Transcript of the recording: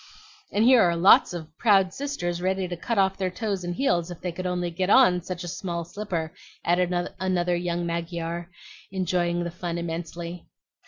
"And here are lots of proud sisters ready to cut off their toes and heels if they could only get on such a small slipper," added another young Mygar, enjoying the fun immensely.